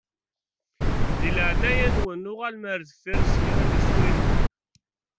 Di leɛnaya-nwen uɣalem ar deffir s kra n isurifen.